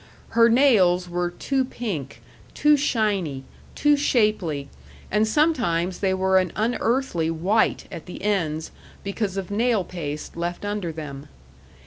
Her nails were too pink, too shiny, too shapely, and sometimes they were an unearthly white at the ends, because of nail paste left under them.